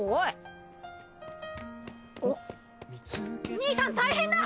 兄さん大変だ！